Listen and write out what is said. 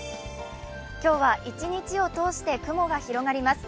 今日は一日を通して雲が広がります。